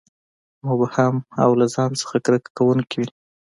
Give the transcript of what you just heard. مبهم او له ځان نه کرکه کوونکي وي.